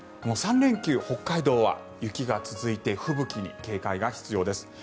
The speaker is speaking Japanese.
３連休、北海道は雪が続いて吹雪に警戒が必要です。